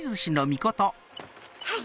はい！